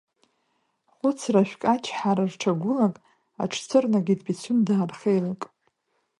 Хәыцрашәк ачҳара рҽагәылак, аҽцәырнагеит Пицундаа рхеилак.